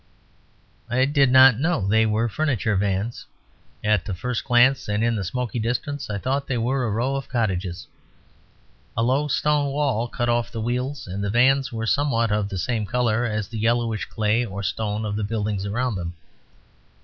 I did not know they were furniture vans; at the first glance and in the smoky distance I thought they were a row of cottages. A low stone wall cut off the wheels, and the vans were somewhat of the same colour as the yellowish clay or stone of the buildings around them.